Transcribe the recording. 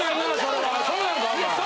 そうなのか？